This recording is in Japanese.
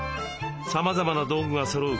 さまざまな道具がそろう